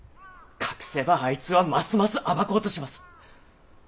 隠せばあいつはますます暴こうとします。